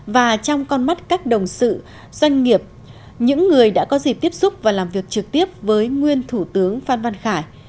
và trong con mắt các đồng sự doanh nghiệp những người đã có dịp tiếp xúc và làm việc trực tiếp với nguyên thủ tướng phan văn khải